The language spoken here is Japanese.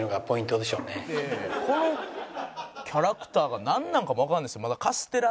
このキャラクターがなんなのかもわかんないですまだ。